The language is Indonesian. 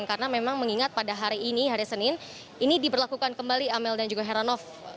karena memang mengingat pada hari ini hari senin ini diperlakukan kembali amel dan juga heranov